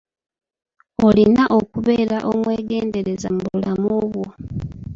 Olina okubeera omwegendereza mu bulamu bwo.